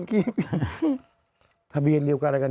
ทะเบียนทางเชิงอะไรกัน